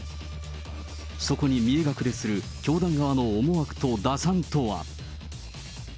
そこに見え隠れする教団側の思惑と打算とは。